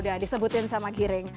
yaudah disebutin sama kiring